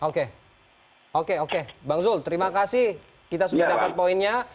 oke oke oke bang zul terima kasih kita sudah dapat poinnya